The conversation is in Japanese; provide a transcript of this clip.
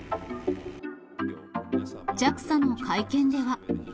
ＪＡＸＡの会見では。